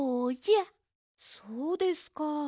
そうですか。